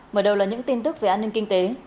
mở đầu là những tin tức về an ninh kinh tế